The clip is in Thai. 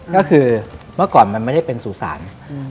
ก็คือเมื่อก่อนมันไม่ได้เป็นสู่ศาล